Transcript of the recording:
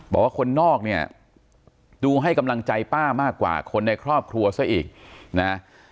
บอกว่าคนนอกเนี่ยดูให้กำลังใจป้ามากกว่าคนในครอบครัวซะอีกนะ